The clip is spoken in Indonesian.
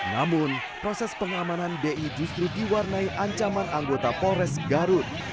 namun proses pengamanan di justru diwarnai ancaman anggota polres garut